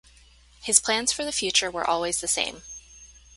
His plans for the future were always the same.